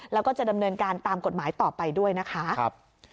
แล้วก็จะดำเนินการตามกฎหมายต่อไปด้วยนะคะ